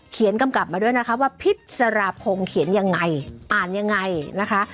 กำกลับมาด้วยนะคะว่าพิษรพงศ์เขียนยังไงอ่านยังไงนะคะ